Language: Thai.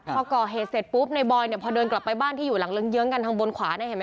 พอก่อเหตุเสร็จปุ๊บในบอยเนี่ยพอเดินกลับไปบ้านที่อยู่หลังเงื้องกันทางบนขวาเนี่ยเห็นไหม